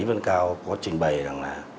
lý văn cao có trình bày rằng là